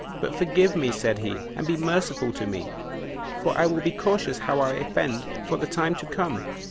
"But forgive me," said he, "and be merciful to me, for I will be cautious how I offend for the time to come."